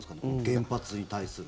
原発に対する。